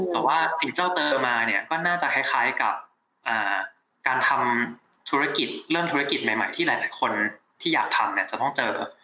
แต่ว่าสิ่งที่เราเจอมาเนี่ยก็น่าจะคล้ายกับการทำธุรกิจเรื่องธุรกิจใหม่ที่หลายคนที่อยากทำจะต้องเจอ